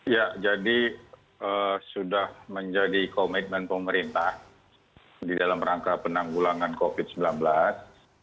ya jadi sudah menjadi komitmen pemerintah di dalam rangka penanggulangan covid sembilan belas